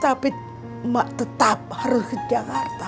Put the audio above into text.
tapi mak tetap harus ke jakarta